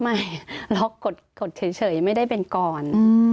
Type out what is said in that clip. ไม่ล็อกกดเฉยไม่ได้เป็นก่อน